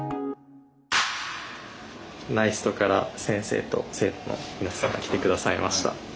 ＮＡＩＳＴから先生と生徒の皆さんが来て下さいました。